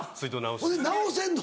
ほいで直せんの？